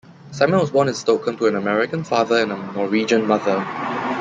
Simon was born in Stockholm to an American father and a Norwegian mother.